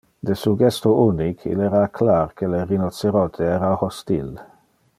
De su gesto unic il era clar que le rhinocerote era hostil.